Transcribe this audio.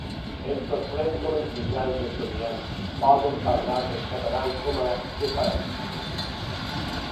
Em sorprèn com els mitjans estonians poden parlar dels catalans com a “separatistes”.